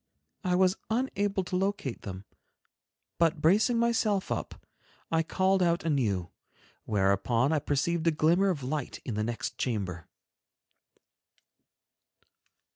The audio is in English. I was unable to locate them, but bracing myself up, I called out anew, whereupon I perceived a glimmer of light in the next chamber.